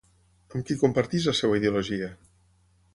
Amb qui comparteix la seva ideologia?